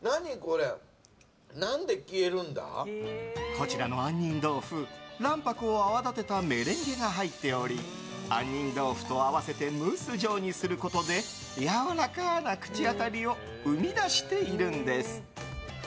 こちらの杏仁豆腐卵白を泡立てたメレンゲが入っており杏仁豆腐と合わせてムース状にすることでやわらかな口当たりを生み出しているんです。